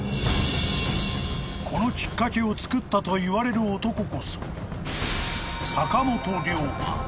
［このきっかけをつくったといわれる男こそ］